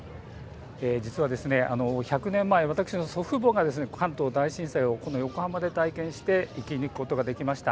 実は１００年前、私の祖父母が関東大震災を横浜で体験して生き抜くことができました。